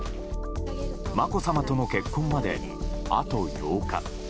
まこさまとの結婚まで、あと８日。